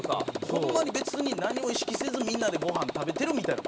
ホンマに別になんにも意識せずみんなでごはん食べてるみたいな事。